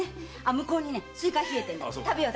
向こうにスイカが冷えてるから食べよう。